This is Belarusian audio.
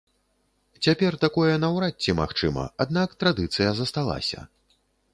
Цяпер такое наўрад ці магчыма, аднак традыцыя засталася.